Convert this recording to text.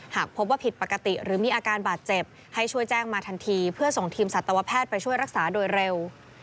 หากพบว่าผิดปกติหรือมีอาการบาดเจ็บให้ช่วยแจ้งมาทันทีเพื่อส่งทีมสัตวแพทย์ไปช่วยรักษาโดยเร็ว